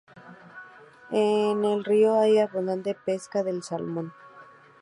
En el río hay abundante pesca del salmón.